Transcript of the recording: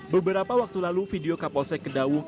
beberapa waktu lalu video kapolsek kedawung